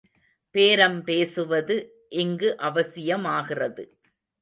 பேரம் பேசுவது இங்கு அவசியமாகிறது.